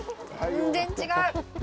全然違う。